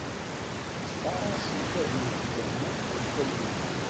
Ttfarasen tagnit n lehna d talwit.